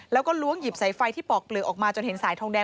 แล้วก็ล้วงหยิบสายไฟที่ปอกเปลือกออกมาจนเห็นสายทองแดง